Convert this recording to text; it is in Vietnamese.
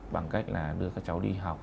bằng cách là đưa các cháu đi học